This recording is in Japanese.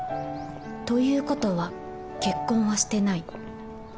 という事は結婚はしてない